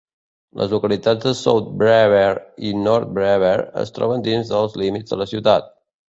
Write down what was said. Les localitats de South Brewer i North Brewer es troben dins dels límits de la ciutat.